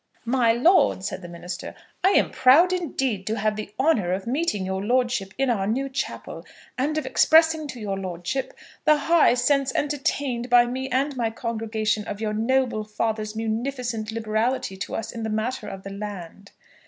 "My lord," said the minister, "I am proud, indeed, to have the honour of meeting your lordship in our new chapel, and of expressing to your lordship the high sense entertained by me and my congregation of your noble father's munificent liberality to us in the matter of the land."